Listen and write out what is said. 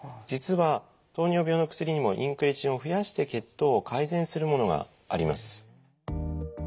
実は糖尿病の薬にもインクレチンを増やして血糖を改善するものがあります。